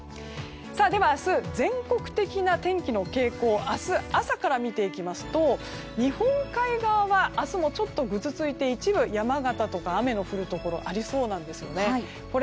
では明日の全国的な天気の傾向を明日朝から見ていきますと日本海側は明日もちょっとぐずついて一部山形とか、雨の降るところがありそうなんですよね。